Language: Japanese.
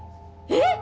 えっ！？